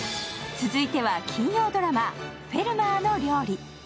続いては金曜ドラマ「フェルマーの料理」。